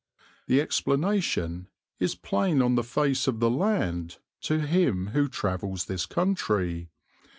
The explanation is plain on the face of the land to him who travels this country.